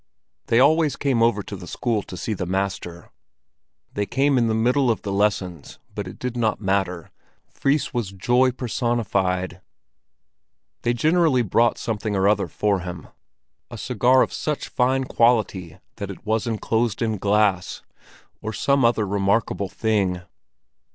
They always came over to the school to see the master; they came in the middle of lessons, but it did not matter; Fris was joy personified. They generally brought something or other for him—a cigar of such fine quality that it was enclosed in glass, or some other remarkable thing.